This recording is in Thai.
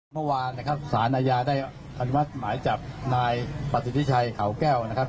เมื่อวานศาลนายาได้อนุมัติหมายจากนายประสิทธิชชัยเขาแก้ว